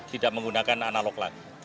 tidak menggunakan analog lagi